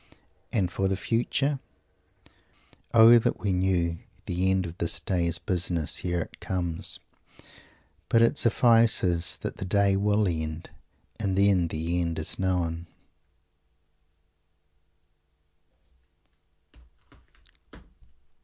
And for the Future: "O that we knew The end of this day's business ere it comes! But it suffices that the day will end; And then the end is known."